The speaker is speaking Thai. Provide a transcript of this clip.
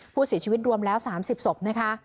ผู้เสียชีวิตรวมแล้ว๓๐ศพนะคะ